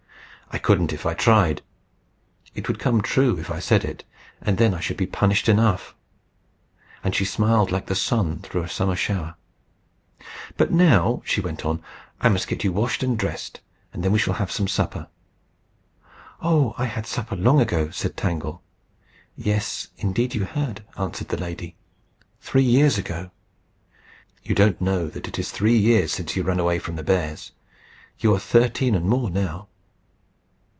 "I couldn't if I tried. It would come true if I said it, and then I should be punished enough." And she smiled like the sun through a summer shower. "But now," she went on, "I must get you washed and dressed, and then we shall have some supper." "Oh! I had supper long ago," said Tangle. "Yes, indeed you had," answered the lady "three years ago. You don't know that it is three years since you ran away from the bears. You are thirteen and more now."